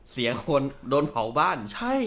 เสียคนโดนเผาบ้าน